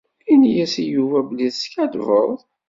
Ini-yas i Yuba belli teskaddbeḍ.